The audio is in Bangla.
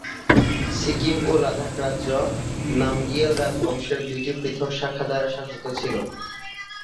সিকিম ও লাদাখ রাজ্য নামগিয়াল রাজবংশের দুটি পৃথক শাখা দ্বারা শাসিত ছিল।